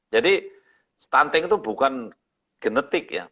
jadi stunting itu bukan genetik ya